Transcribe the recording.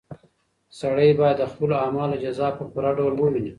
سړی باید د خپلو اعمالو جزا په پوره ډول وویني.